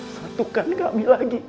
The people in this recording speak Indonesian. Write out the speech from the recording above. satukan kami lagi